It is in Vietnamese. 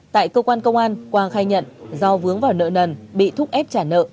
tại cơ quan công an quang khai nhận do vướng vào nợ nần bị thúc ép trả nợ